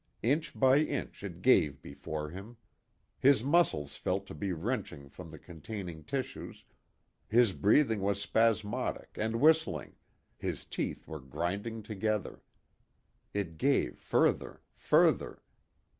Inch by inch it gave before him. His muscles felt to be wrenching from the containing tissues, his breathing was spasmodic and whistling, his teeth were grinding together. It gave further, further.